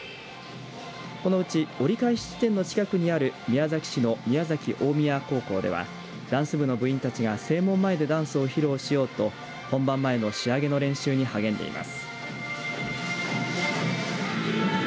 このうち、折り返し地点の近くにある宮崎市の宮崎大宮高校ではダンス部の部員たちが正門前でダンスを披露しようと本番前の仕上げの練習に励んでいます。